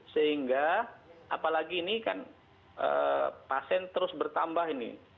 sehingga apalagi ini kan pasien terus bertambah ini